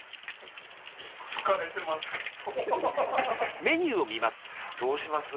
疲れてますか。